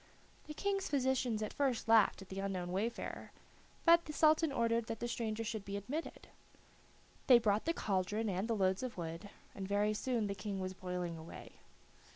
The King's physicians at first laughed at the unknown wayfarer, but the Sultan ordered that the stranger should be admitted. They brought the cauldron and the loads of wood, and very soon the King was boiling away.